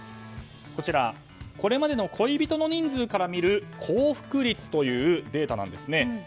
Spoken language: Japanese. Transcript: これまでの恋人の人数から見る幸福率というデータなんです。